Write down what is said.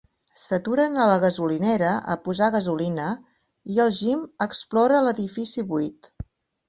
S'aturen a la gasolinera a posar gasolina i el Jim explora l'edifici buit.